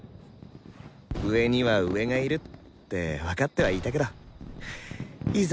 「上には上がいる」って分かってはいたけどいざ